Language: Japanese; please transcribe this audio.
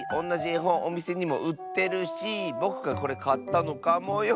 えほんおみせにもうってるしぼくがこれかったのかもよ。